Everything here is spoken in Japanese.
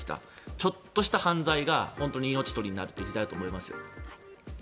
ちょっとした犯罪が本当に命取りになっている時代だと思いますよ。